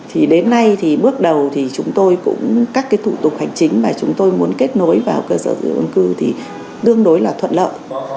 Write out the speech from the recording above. hôm nay thì bước đầu thì chúng tôi cũng các cái thủ tục hành chính mà chúng tôi muốn kết nối vào cơ sở dữ liệu dân cư thì đương đối là thuận lợi